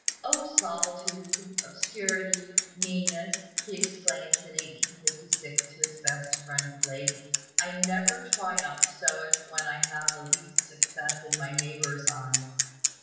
"O solitude, obscurity, meanness!" he exclaims in 1856 to his friend Blake, "I never triumph so as when I have the least success in my neighbors' eyes."